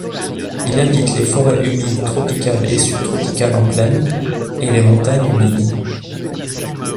Il habite les forêts humides tropicales et subtropicales en plaine et les montagnes humides.